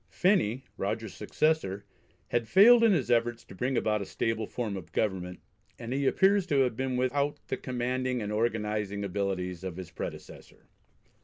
Phenney, Rogers's successor, had failed in his efforts to bring about a stable form of government, and he appears to have been without the commanding and organising abilities of his predecessor.